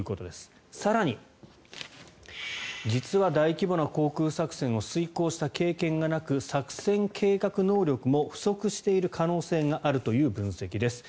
更に、実は大規模な航空作戦を遂行した経験がなく作戦計画能力も不足している可能性があるという分析です。